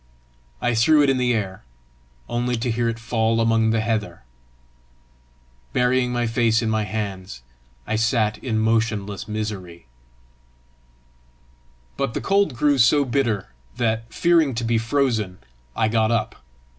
I threw it in the air only to hear it fall among the heather. Burying my face in my hands, I sat in motionless misery. But the cold grew so bitter that, fearing to be frozen, I got up.